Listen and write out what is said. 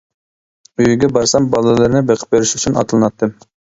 ئۆيىگە بارسام بالىلىرىنى بېقىپ بېرىش ئۈچۈن ئاتلىناتتىم.